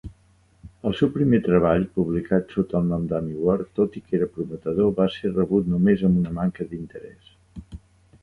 El seu primer treball, publicat sota el nom d'Amy Ward, tot i que era prometedor, va ser rebut només amb una manca d'interès.